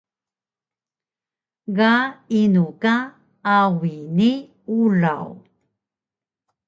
Ga inu ka Awi ni Ulaw?